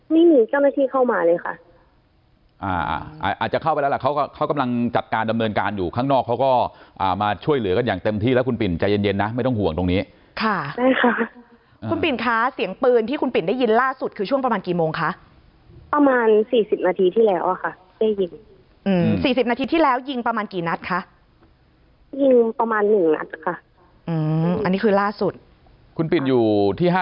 ไม่มีเจ้าหน้าที่เข้ามาเลยค่ะอาจจะเข้าไปแล้วเขากำลังจัดการดำเนินการอยู่ข้างนอกเขาก็มาช่วยเหลือกันอย่างเต็มที่แล้วคุณปิ่นใจเย็นนะไม่ต้องห่วงตรงนี้ค่ะคุณปิ่นค่ะเสียงปืนที่คุณปิ่นได้ยินล่าสุดคือช่วงประมาณกี่โมงค่ะประมาณสี่สิบนาทีที่แล้วค่ะได้ยินสี่สิบนาทีที่แล้วยิงประมาณกี่นั